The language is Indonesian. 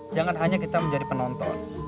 jangan hanya kita menjadi penonton